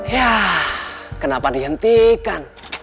ya kenapa dihentikan